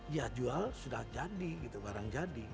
ya jual sudah jadi gitu barang jadi